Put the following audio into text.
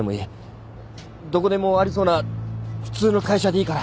どこでもありそうな普通の会社でいいから。